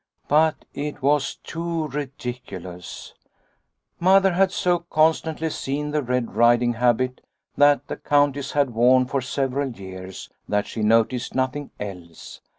" But it was too ridiculous !" Mother had so constantly seen the red riding habit that the Countess had worn for several years that she noticed nothing else.